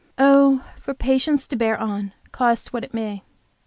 Oh, for patience to bear on, cost what it may!